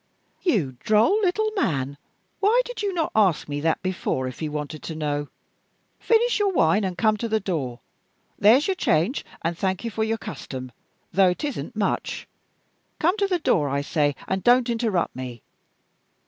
"You droll little man, why did you not ask me that before, if you wanted to know? Finish your wine, and come to the door. There's your change, and thank you for your custom, though it isn't much. Come to the door, I say, and don't interrupt me!